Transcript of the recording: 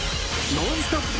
ノンストップ！